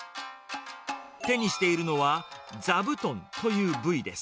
手にしているのは、ザブトンという部位です。